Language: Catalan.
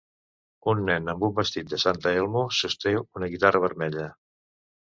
Un nen amb un vestit de Santa Elmo sosté una guitarra vermella.